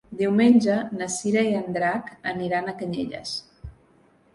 Diumenge na Cira i en Drac aniran a Canyelles.